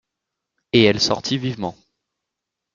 Et elle sortit vivement.